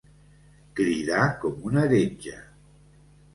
Cridar com un heretge.